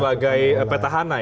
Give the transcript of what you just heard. sebagai petahana ya